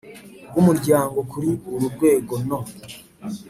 bw umuryango kuri uru rwego no